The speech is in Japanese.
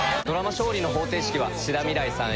『勝利の法廷式』は志田未来さん